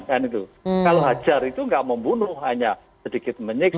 kalau hajar itu tidak membunuh hanya sedikit menyiksa